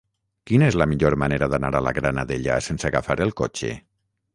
Quina és la millor manera d'anar a la Granadella sense agafar el cotxe?